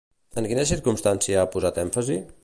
En quina circumstància ha posat èmfasi?